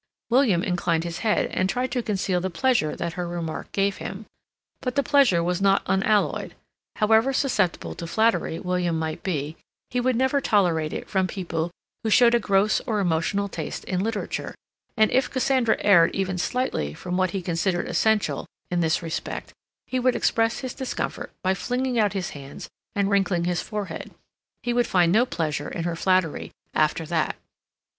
William inclined his head and tried to conceal the pleasure that her remark gave him. But the pleasure was not unalloyed. However susceptible to flattery William might be, he would never tolerate it from people who showed a gross or emotional taste in literature, and if Cassandra erred even slightly from what he considered essential in this respect he would express his discomfort by flinging out his hands and wrinkling his forehead; he would find no pleasure in her flattery after that.